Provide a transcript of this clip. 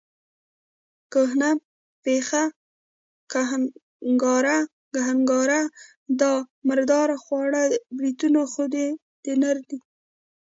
کهنه پېخه، ګنهګاره، دا مردار خواره بریتونه خو دې د نر دي.